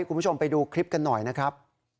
คุณผู้ชมไปดูคลิปกันหน่อยนะครับ